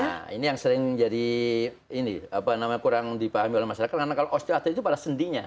nah ini yang sering jadi ini apa namanya kurang dipahami oleh masyarakat karena kalau osteoartrid itu pada sendinya